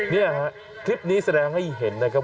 เนี่ยฮะคลิปนี้แสดงให้เห็นนะครับ